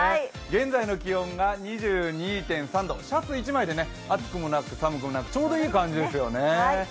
現在の気温が２２．３度、シャツ一枚で暑くもなく寒くもなくちょうどいい感じですよね。